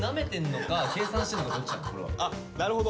なるほど。